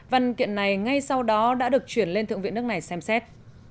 văn kiện này ngay sau đó đã được chuyển lên thượng viện nước này xem xét